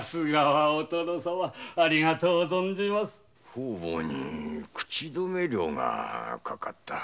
方々に口止め料がかかった。